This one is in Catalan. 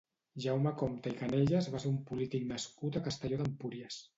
Jaume Compte i Canelles va ser un polític nascut a Castelló d'Empúries.